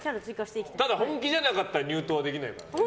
ただ本気じゃなかったら入党できないから。